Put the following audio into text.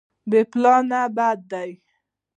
بې پلانه بد دی.